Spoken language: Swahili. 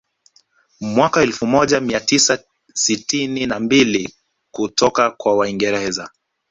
Mwaka elfu moja mia tisa sitini na mbili kutoka kwa waingereza